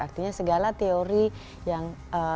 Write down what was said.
artinya segala teori yang